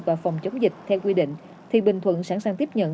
và phòng chống dịch theo quy định thì bình thuận sẵn sàng tiếp nhận